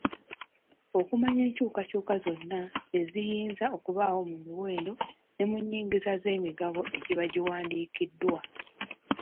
Okumanya enkyukakyuka zonna eziyinza okubaawo mu miwendo ne mu nyingiza z'emigabo egiba giwandiikiddwa.